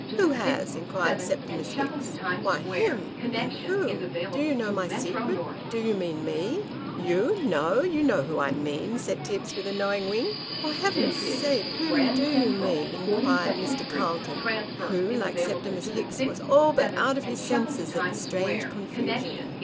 Who has ?" inquired Septimus Hicks. ' Why him." Him, who ? Do you know my secret ? Do you mean me ?"; You ! No ; you know who 1 mean," returned Tibbs' with a knowing wink. " For Heaven's sake, whom do you mean ?" inquired Mr. Calton, who, like Septimus Hicks, was all but out of his senses at the strange confusion.